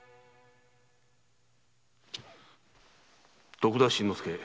〔徳田新之助。